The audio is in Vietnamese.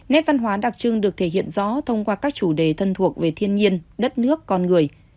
nét văn hóa đặc trưng được thể hiện rõ thông qua các chủ đề thân thuộc về thiên nhiên đất nước con người